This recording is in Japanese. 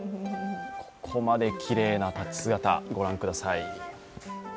ここまできれいな立ち姿、ご覧ください。